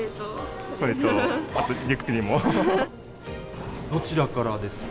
これと、どちらからですか？